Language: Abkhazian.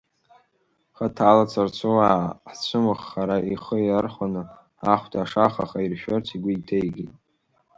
Хаҭала царцуаа ҳцәымӷхара ихы иархәаны ҳахәда ашаха ахаиршәырц игәы иҭеикит.